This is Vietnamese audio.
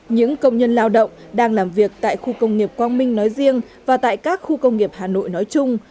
những công nhân lao động đang làm việc tại khu công nghiệp quang minh nói riêng và tại các khu công nghiệp hà nội nói chung